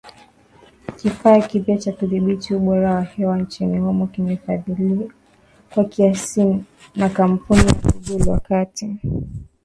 Kifaa kipya cha kudhibiti ubora wa hewa nchini humo kimefadhiliwa kwa kiasi na kampuni ya Google, wakati kikitumia sensa ya aina fulani.